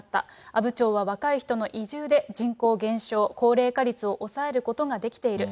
阿武町は若い人の移住で人口減少、高齢化率を抑えることができている。